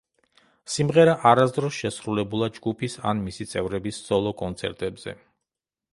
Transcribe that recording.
სიმღერა არასოდეს შესრულებულა ჯგუფის ან მისი წევრების სოლო კონცერტებზე.